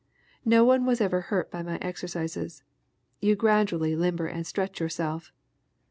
No one was ever hurt by my exercises; you gradually limber and stretch yourself!